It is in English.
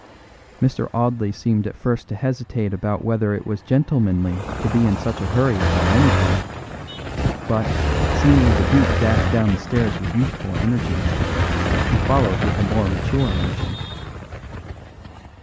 Mr. Audley seemed at first to hesitate about whether it was gentlemanly to be in such a hurry about anything; but, seeing the duke dash down the stairs with youthful energy, he followed with a more mature motion.